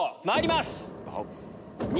まいります！